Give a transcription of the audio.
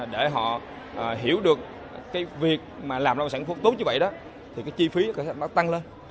để họ hiểu được cái việc mà làm nông sản phong tốt như vậy đó thì cái chi phí nó tăng lên